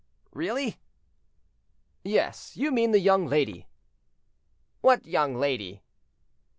"Really." "Yes; you mean the young lady." "What young lady?"